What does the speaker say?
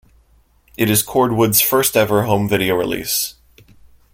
It is Corwood's first ever home video release.